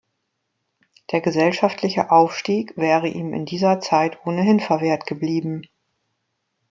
Der gesellschaftliche Aufstieg wäre ihm in dieser Zeit ohnehin verwehrt geblieben.